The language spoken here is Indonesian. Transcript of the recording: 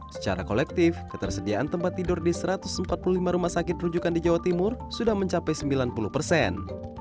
secara kolektif ketersediaan tempat tidur di satu ratus empat puluh lima rumah sakit rujukan di jawa timur sudah mencapai sembilan puluh persen